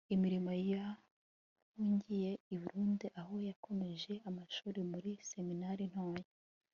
imirimo Yahungiye i Burundi aho yakomereje amashuri muri seminari ntoya